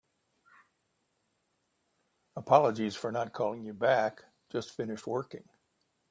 Apologies for not calling you back. Just finished working.